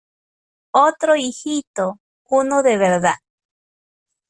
otro hijito. uno de verdad .